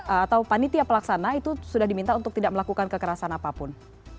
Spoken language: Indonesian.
atau panitia pelaksana itu sudah diminta untuk tidak melakukan kekerasan apapun